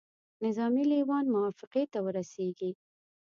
نظامي لېوان موافقې ته ورسیږي.